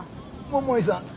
桃井さん。